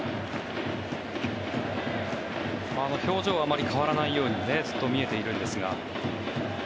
表情はあまり変わらないようにずっと見えているんですが。